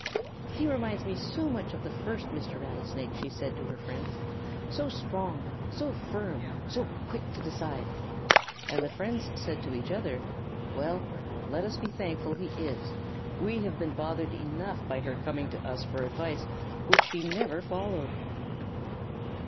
"He reminds me so much of the first Mr. Rattlesnake," she said to her friends. "So strong, so firm, so quick to decide!" And the friends said to each other, "Well, let us be thankful he is. We have been bothered enough by her coming to us for advice which she never followed."